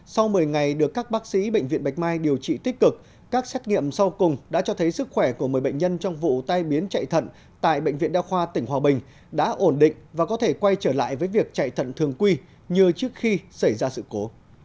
sau một mươi ngày được các bác sĩ bệnh viện bạch mai điều trị tích cực các xét nghiệm sau cùng đã cho thấy sức khỏe của một mươi bệnh nhân trong vụ tai biến chạy thận tại bệnh viện đa khoa tỉnh hòa bình đã ổn định và có thể quay trở lại với việc chạy thận thường quy như trước khi xảy ra sự cố